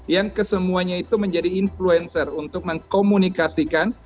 yang kesemuanya itu menjadi influencer untuk mengkomunikasikan